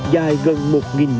dài gần một m